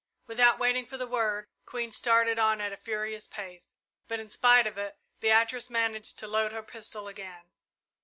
Without waiting for the word, Queen started on at a furious pace, but in spite of it, Beatrice managed to load her pistol again.